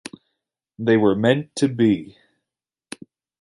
They were meant to be.